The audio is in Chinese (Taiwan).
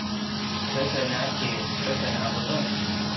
可可拿鐵，可可拿不動